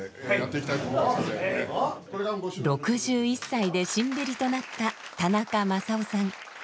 ６１歳で新縁となった田中正夫さん。